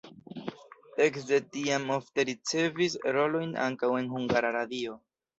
Ekde tiam li ofte ricevis rolojn ankaŭ en Hungara Radio.